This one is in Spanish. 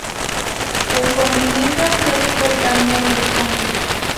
El continente asiático está en el horizonte.